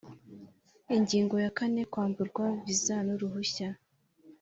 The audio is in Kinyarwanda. Ingingo ya kane Kwamburwa viza n uruhushya